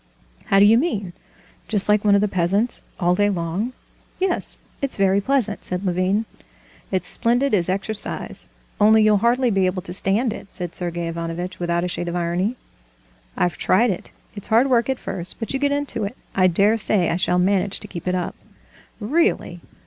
"How do you mean? Just like one of the peasants, all day long?" "Yes, it's very pleasant," said Levin. "It's splendid as exercise, only you'll hardly be able to stand it," said Sergey Ivanovitch, without a shade of irony. "I've tried it. It's hard work at first, but you get into it. I dare say I shall manage to keep it up...." "Really!